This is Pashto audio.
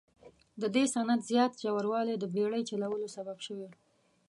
د دې سیند زیات ژوروالی د بیړۍ چلولو سبب شوي.